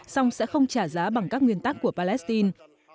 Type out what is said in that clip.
song sẽ không trả giá bằng các nguyên tắc của palestine